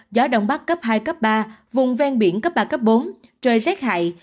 gió đông bắc cấp hai ba vùng ven biển cấp ba bốn trời rét hại